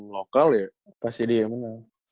lokal ya pasti dia yang menang